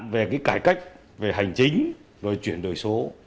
về cái cải cách về hành chính rồi chuyển đổi số